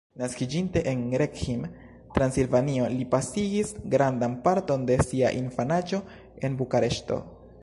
Naskiĝinte en Reghin, Transilvanio, li pasigis grandan parton de sia infanaĝo en Bukareŝto.